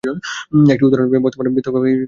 একটি উদাহরণ বর্তমান বিতর্ক কেন্দ্র দ্য রোড হওড।